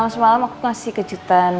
semalam aku kasih kejutan